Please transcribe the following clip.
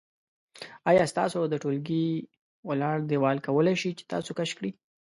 آیا ستاسو د ټولګي ولاړ دیوال کولی شي چې تاسو کش کړي؟